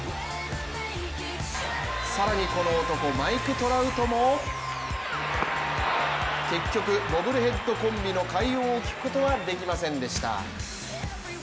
更にこの男マイク・トラウトも結局、ボブルヘッドコンビの快音を聞くことはできませんでした。